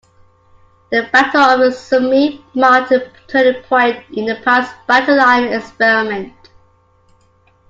The Battle of the Somme marked a turning point in the Pals battalion experiment.